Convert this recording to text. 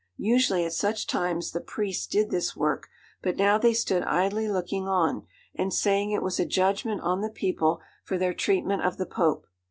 Usually at such times the priests did this work; but now they stood idly looking on, and saying it was a judgment on the people for their treatment of the Pope.